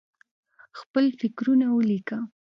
خپل فکرونه ولیکه.